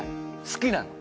好きなの。